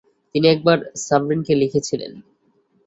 তিনি একবার সাভরিনকে লিখেছিলেনঃ